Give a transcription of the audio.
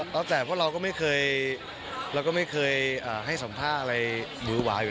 แล้วแต่พวกเราก็ไม่เคยเราก็ไม่เคยให้สัมภาษณ์อะไรหวือหวาอยู่